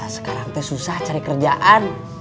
sekarang susah cari kerjaan